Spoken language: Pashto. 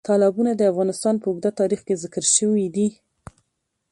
تالابونه د افغانستان په اوږده تاریخ کې ذکر شوي دي.